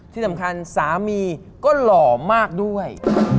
ที่สำคัญสามีก็หล่อมากด้วย